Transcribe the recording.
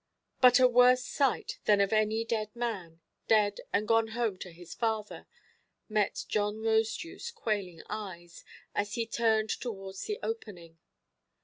But a worse sight than of any dead man—dead, and gone home to his Father—met John Rosedewʼs quailing eyes, as he turned towards the opening.